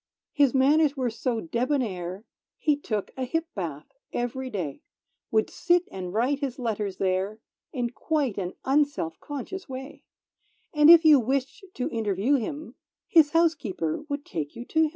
His manners were so debonnair, He took a hip bath ev'ry day; Would sit and write his letters there, In quite an unselfconscious way; And, if you wished to interview him, His housekeeper would take you to him.